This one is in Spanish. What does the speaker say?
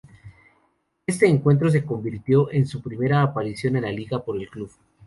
Este encuentro se convirtió en su primera aparición en la liga por el club.